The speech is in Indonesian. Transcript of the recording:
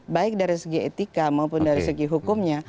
baik dari segi etika maupun dari segi hukumnya